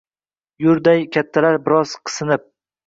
Yurganday kattalar biroz qisinib.